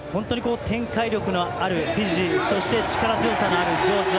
展開力のあるフィジーそして力強さのあるジョージア